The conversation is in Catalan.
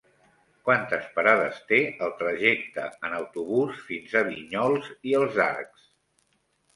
Quantes parades té el trajecte en autobús fins a Vinyols i els Arcs?